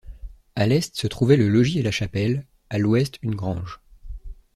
À l'est se trouvaient le logis et la chapelle, à l'ouest, une grange.